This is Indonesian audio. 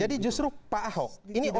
jadi justru pak ahok